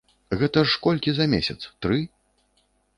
Гэта ж колькі за месяц, тры?